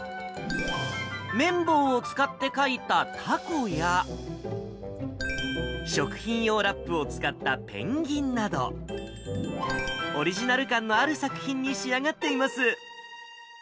綿棒を使って描いたタコや、食品用ラップを使ったペンギンなど、オリジナル感のある作品に仕上がっています。